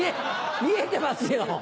見えてますよ！